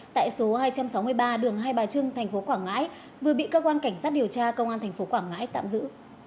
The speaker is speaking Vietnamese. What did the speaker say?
tại số hai trăm sáu mươi ba đường hai bà trưng thành phố quảng ngãi vừa bị cơ quan cảnh sát điều tra công an tp quảng ngãi tạm giữ